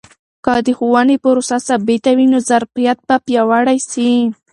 که د ښوونې پروسه ثابته وي، نو ظرفیت به پیاوړی سي.